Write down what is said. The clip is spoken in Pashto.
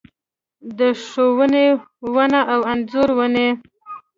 د ښونه ونه او انځر ونې